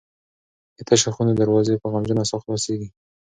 د تشو خونو دروازې په غمجنه ساه خلاصیږي.